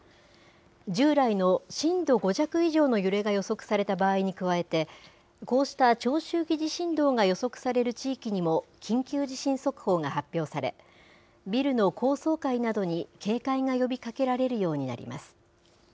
従来の震度５弱以上の揺れが予測された場合に加えて、こうした長周期地震動が予測される地域にも緊急地震速報が発表され、ビルの高層階などに警戒が呼びかけられるようになります。